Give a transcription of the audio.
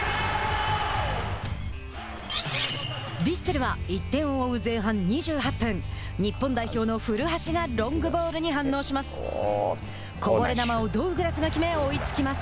ヴィッセルは１点を追う前半２８分日本代表の古橋がロングボールに反応します。